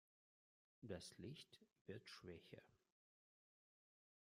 Das Licht wird schwächer.